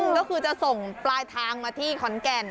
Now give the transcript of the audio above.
ก็คือจะส่งปลายทางมาที่ขอนแก่น